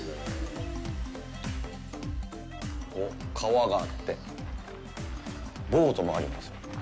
おっ、川があって、ボートもありますね。